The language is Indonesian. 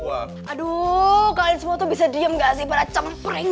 aduh bisa diem